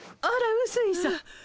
あらうすいさん。